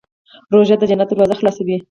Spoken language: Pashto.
روژه د جنت دروازې خلاصوي.